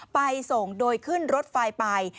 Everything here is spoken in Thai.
ไปส่งโดยขึ้นรถไฟไป